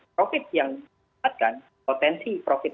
profit yang akan potensi profit